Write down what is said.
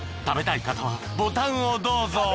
［食べたい方はボタンをどうぞ］